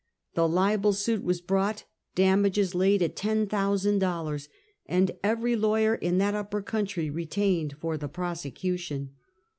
The libel suit was brought, damages laid at $10,000, and every lawyer in that upper country retained for the prosecution.